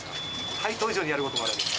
対等以上にやることもあるわけ。